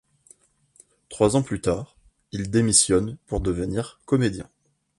Trois ans plus tard il démissionne pour devenir comédien.